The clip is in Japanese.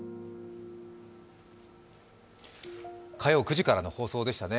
火曜９時からの放送でしたね。